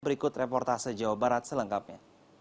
berikut reportase jawa barat selengkapnya